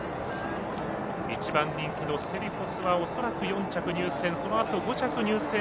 １番人気のセリフォスは恐らく４着入線。